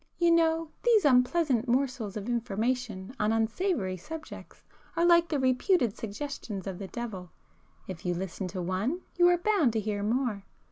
You know these unpleasant morsels of information on unsavoury subjects are like the reputed suggestions of the devil,—if you listen to one, you are bound to hear more.